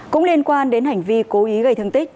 cũng liên quan đến hành vi cố ý gây thương tích